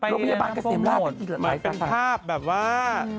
อ้อโอ้วโรงพยาบาลเกษมราชมีอีกหรืออะไร